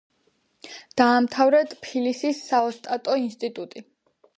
დაამთავრა ტფილისის საოსტატო ინსტიტუტი.